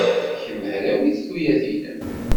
Kemm hrawit tuyat-nnem.